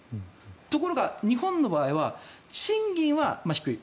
ところが日本の場合は賃金は低い。